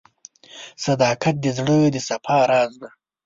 • صداقت د زړه د صفا راز دی.